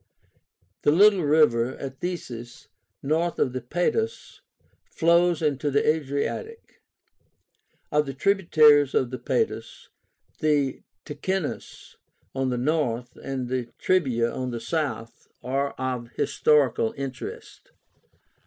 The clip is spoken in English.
The little river Athesis, north of the Padus, flows into the Adriatic. Of the tributaries of the Padus, the Ticínus on the north, and the Trebia on the south, are of historical interest.